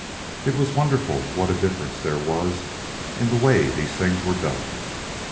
It was wonderful what a difference there was in the way these things were done.